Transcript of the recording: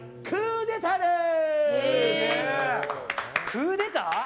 クーデター？